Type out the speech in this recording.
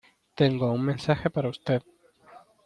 tengo un mensaje para usted